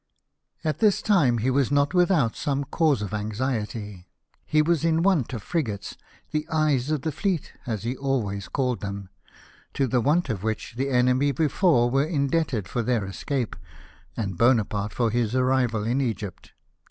At this time he was not without some cause of anxiety. He was in want of frigates — the eyes of the fleet, as he always called them — to the want of which 302 LIFE OF NELSOJV the enemy before were indebted for their escape, and Bonaparte for his arrival in Egypt.